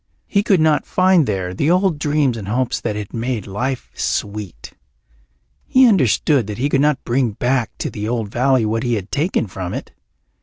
He could not find there the old dreams and hopes that had made life sweet. He understood that he could not bring back to the old valley what he had taken from it.